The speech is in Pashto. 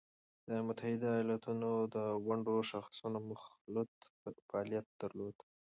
د متحده ایالاتو د ونډو شاخصونو مخلوط فعالیت درلود